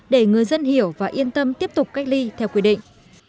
để người dân hiểu và yên tâm tiếp tục cách ly theo quy định